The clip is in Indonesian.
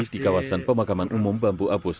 di kawasan pemakaman umum bambu abus